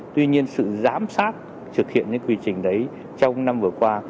tuy nhiên sự giám sát thực hiện những quy trình đấy trong năm vừa qua